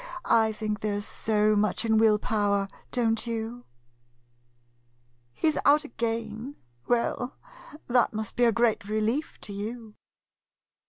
I think there 's so much in will power, don't you ? He 's out again ? Well, that must be a great relief to you.